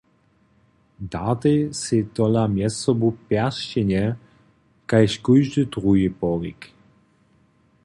Dartej sej tola mjezsobu pjeršćenje kaž kóždy druhi porik!